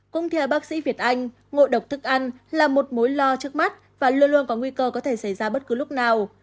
cũng theo bác sĩ việt anh ngộ độc thức ăn là một mối lo trước mắt và luôn luôn có nguy cơ có thể xảy ra bất cứ lúc nào